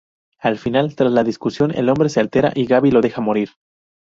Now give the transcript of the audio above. Al final, tras la discusión el hombre se altera, y Gabi lo deja morir.